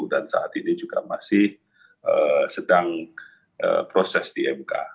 dan saat ini juga masih sedang proses di mk